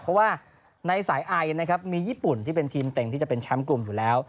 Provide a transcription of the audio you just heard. เพราะว่าในสายไอนะครับมีญี่ปุ่นที่เป็นทีมเต็งที่จะเป็นแชมป์กลุ่มอยู่แล้ว